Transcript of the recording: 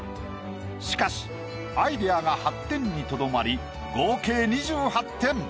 しかしアイデアが８点にとどまり合計２８点。